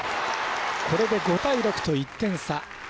これで５対６と１点差。